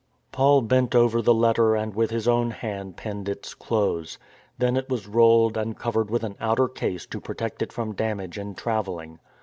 Paul bent over the letter and with his own hand penned its close. Then it was rolled and covered with an outer case to protect it from damage in travelling.